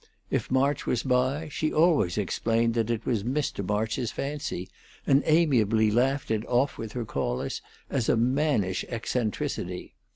If March was by, she always explained that it was Mr. March's fancy, and amiably laughed it off with her callers as a mannish eccentricity.